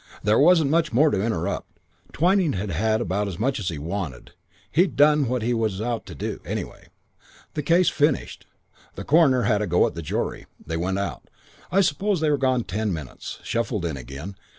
"There wasn't much more to interrupt. Twyning had had about as much as he wanted; he'd done what he was out to do, anyway. The case finished. The coroner had a go at the jury. They went out. I suppose they were gone ten minutes. Shuffled in again.